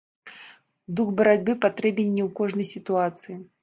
Дух барацьбы патрэбен не ў кожнай сітуацыі.